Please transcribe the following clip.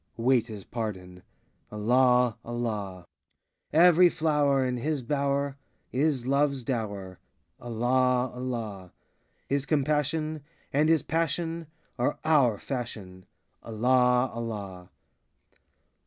Wait his pardon,— Allah, Allah! 95 Every flower In his bower Is Love's dower,— Allah, Allah! His compassion And his passion Are our fashion,— Allah, Allah!